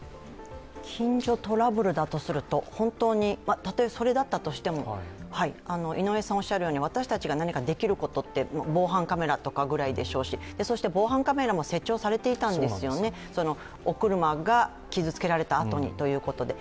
近所トラブルだとすると、たとえそれだったとしても、私たちが何かできることって防犯カメラとかぐらいでしょうしそして防犯カメラも設置をされていたんですよね、お車が傷つけられたあとにということで。